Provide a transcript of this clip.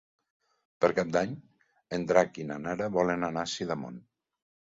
Per Cap d'Any en Drac i na Nara volen anar a Sidamon.